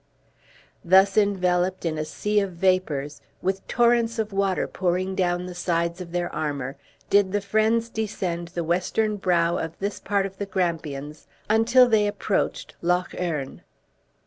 Thus enveloped in a sea of vapors, with torrents of water pouring down the sides of their armor, did the friends descend the western brow of this part of the Grampians until they approached Loch Earn.